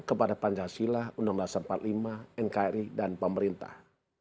kepada pancasila undang undang seribu sembilan ratus empat puluh lima nkri dan pemerintah